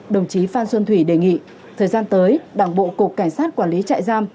đồng chí phan xuân thủy đề nghị thời gian tới đảng bộ cục cảnh sát quản lý trại giam